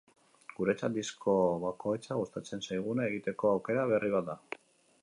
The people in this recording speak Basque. Guretzat, disko bakoitza gustatzen zaiguna egiteko aukera berri bat da.